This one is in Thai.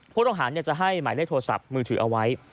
ผู้ต้องหาจะให้หมายเลขโทรศัพท์มือถือเอาไว้